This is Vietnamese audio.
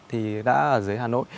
thì đã ở dưới hà nội